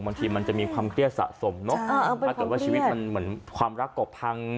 บางทีมันจะมีความเครียดสะสมเนอะถ้าเกิดว่าชีวิตมันเหมือนความรักกบพัง